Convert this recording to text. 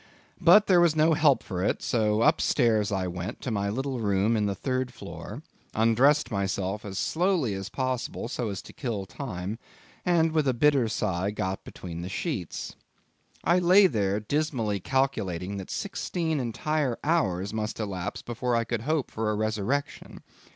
But there was no help for it, so up stairs I went to my little room in the third floor, undressed myself as slowly as possible so as to kill time, and with a bitter sigh got between the sheets. I lay there dismally calculating that sixteen entire hours must elapse before I could hope for a resurrection.